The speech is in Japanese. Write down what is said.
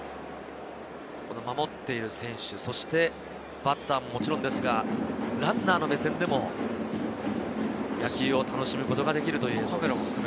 守っている選手、そしてバッターももちろんですが、ランナーの目線でも野球を楽しむことができるという。